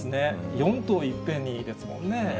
４頭いっぺんにですもんね。